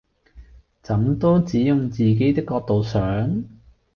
怎都只用自己的角度想！